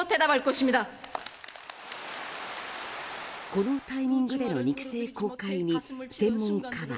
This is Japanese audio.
このタイミングでの肉声公開に専門家は。